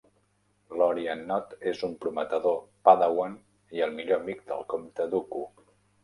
Lorian Nod és un prometedor padawan i el millor amic del comte Dooku.